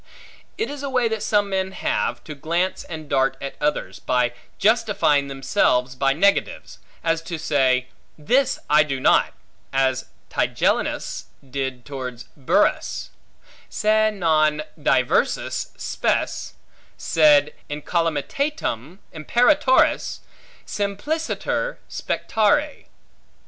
It is a way that some men have, to glance and dart at others, by justifying themselves by negatives; as to say, This I do not; as Tigellinus did towards Burrhus, Se non diversas spes, sed incolumitatem imperatoris simpliciter spectare.